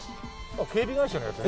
あっ警備会社のやつ？